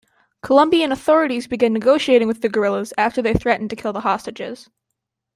Colombian authorities began negotiating with the guerrillas after they threatened to kill the hostages.